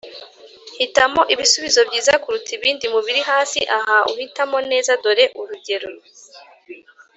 Hitamo ibisubizo byiza kuruta ibindi mu biri hasi aha uhitamo neza Dore urugero